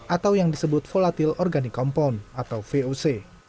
atau yang disebut volatile organic compound atau voc